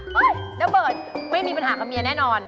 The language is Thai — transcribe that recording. อ๊วยยน้าเบิร์ดไม่มีปัญหากับเมียแน่นอน